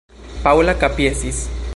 Paŭla kapjesis.